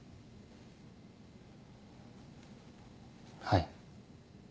はい。